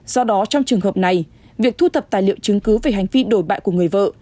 do đó trong trường hợp này việc thu thập tài liệu chứng cứ về hành vi đổi bại của người vợ